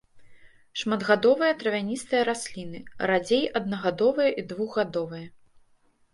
Шматгадовыя травяністыя расліны, радзей аднагадовыя і двухгадовыя.